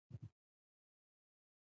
د شپې د ادرار لپاره د ماښام اوبه کمې کړئ